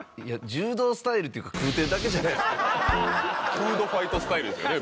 フードファイトスタイルですよね